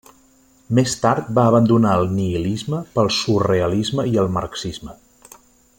Més tard, va abandonar el nihilisme pel surrealisme i el marxisme.